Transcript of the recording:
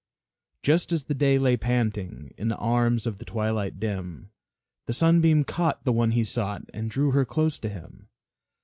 Just as the day lay panting In the arms of the twilight dim, The Sunbeam caught the one he sought And drew her close to him.